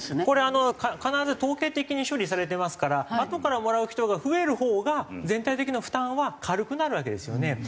これ必ず統計的に処理されてますからあとからもらう人が増えるほうが全体的な負担は軽くなるわけですよね。